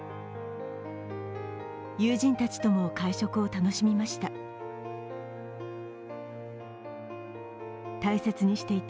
友人たちとも会食を楽しみました。